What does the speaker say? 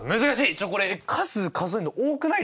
ちょっとこれ数数えんの多くないですか？